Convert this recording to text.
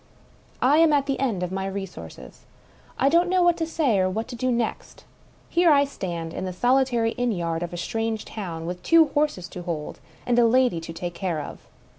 I am at the end of my resources — I don't know what to say or what to do next. Here I stand in the solitary inn yard of a strange town, with two horses to hold, and a lady to take care of.